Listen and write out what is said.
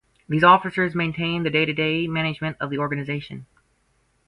These officers maintain the day-to-day management of the organization.